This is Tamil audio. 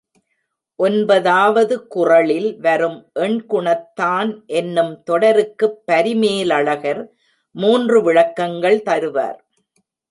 ஒன்பதாவது குறளில் வரும் எண்குணத்தான் என்னும் தொடருக்குப் பரிமேலழகர் மூன்று விளக்கங்கள் தருவார்.